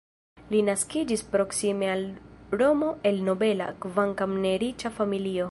Li naskiĝis proksime al Romo el nobela, kvankam ne riĉa familio.